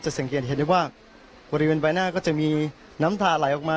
สังเกตเห็นได้ว่าบริเวณใบหน้าก็จะมีน้ำตาไหลออกมา